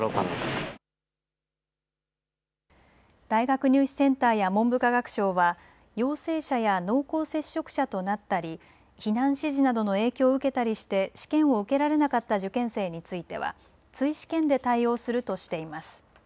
大学入試センターや文部科学省は陽性者や濃厚接触者となったり避難指示などの影響を受けたりして試験を受けられなかった受験生については追試験で対応するとしています。